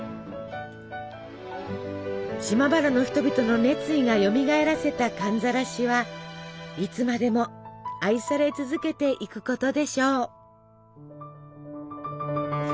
島原の人々の熱意がよみがえらせた寒ざらしはいつまでも愛され続けていくことでしょう。